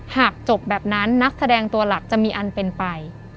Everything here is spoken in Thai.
หากจบแบบนั้นนักแสดงตัวหลักจะมีอันเป็นไป